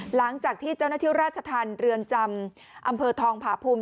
หลังจากที่เจ้าหน้าที่ราชธรรมเรือนจำอำเภอทองผาภูมิ